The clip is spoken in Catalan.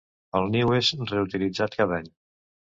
El niu és reutilitzat cada any.